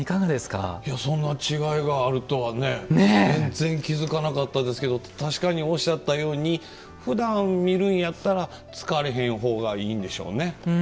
そんな違いがあるとはね全然気付かなかったですけど確かにおっしゃったようにふだん見るんやったら疲れへんほうがいいんでしょうね。